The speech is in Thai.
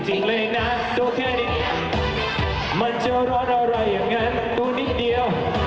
เลยนะดูแค่นี้มันจะร้อนอะไรยังไงมันดูนิดเดียว